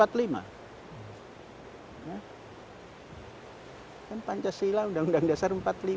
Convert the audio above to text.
kan pancasila undang undang dasar empat puluh lima